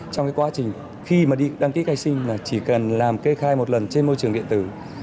trong cái quá trình khi mà đi đăng ký khai sinh là chỉ cần làm kê khai một lần trên môi trường điện tử